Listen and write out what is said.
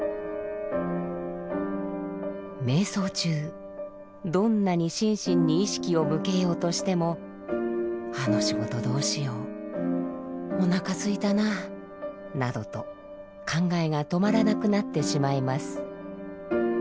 瞑想中どんなに心身に意識を向けようとしてもあの仕事どうしようおなかすいたななどと考えが止まらなくなってしまいます。